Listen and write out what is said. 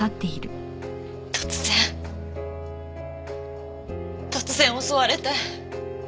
突然突然襲われて！